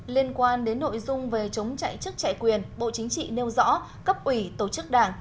liên quan đến nội dung về chống chạy chức chạy quyền bộ chính trị nêu rõ cấp ủy tổ chức đảng